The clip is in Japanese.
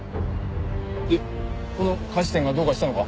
でこの菓子店がどうかしたのか？